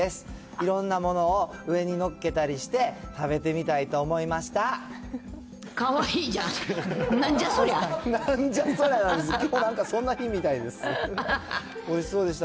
いろんなものを上にのっけたりして、食べてみたいと思いました。